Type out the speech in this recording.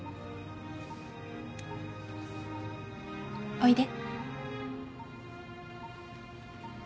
おいで。